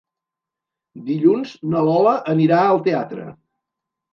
Dilluns na Lola anirà al teatre.